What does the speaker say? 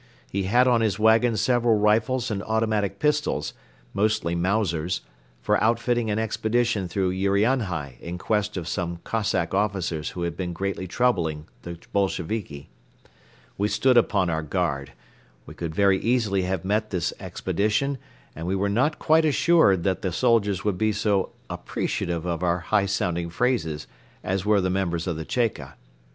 He had on his wagon several rifles and automatic pistols, mostly Mausers, for outfitting an expedition through Urianhai in quest of some Cossack officers who had been greatly troubling the Bolsheviki. We stood upon our guard. We could very easily have met this expedition and we were not quite assured that the soldiers would be so appreciative of our high sounding phrases as were the members of the "Cheka."